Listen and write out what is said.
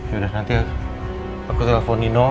yaudah nanti aku telepon nino